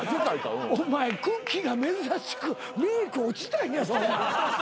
お前くっきー！が珍しくメーク落ちたんやぞ。